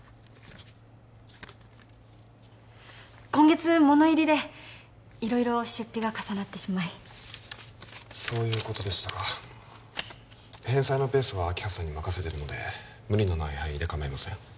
今月物入りでいろいろ出費が重なってしまいそういうことでしたか返済のペースは明葉さんに任せてるので無理のない範囲でかまいません